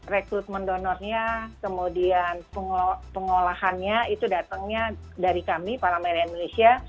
rekrutmen donornya kemudian pengolahannya itu datangnya dari kami para milenial indonesia